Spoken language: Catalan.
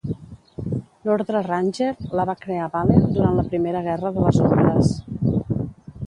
L'ordre Ranger la va crear Valen durant la Primera Guerra de les Ombres.